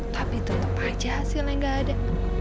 tapi tetap aja hasilnya gak ada